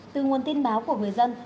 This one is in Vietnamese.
từ nguồn tin báo của người dân